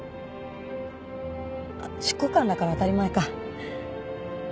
執行官だから当たり前か。